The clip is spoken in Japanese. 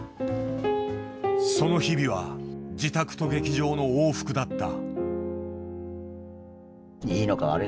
その日々は、自宅と劇場の往復だった。